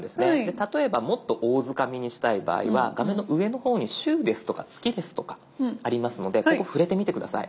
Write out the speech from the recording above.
例えばもっと大づかみにしたい場合は画面の上の方に週ですとか月ですとかありますのでここ触れてみて下さい。